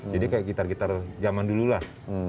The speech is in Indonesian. jadi kayak gitar gitar zaman dulu lah